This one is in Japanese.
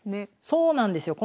そうなんですよ。